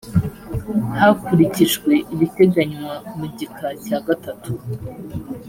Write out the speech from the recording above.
hakurikijwe ibiteganywa mu gika cya gatatu